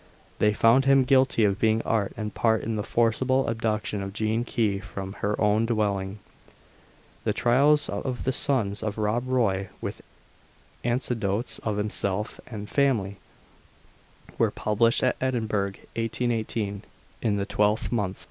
They found him guilty of being art and part in the forcible abduction of Jean Key from her own dwelling.* * The Trials of the Sons of Rob Roy, with anecdotes of Himself and his Family, were published at Edinburgh, 1818, in 12mo.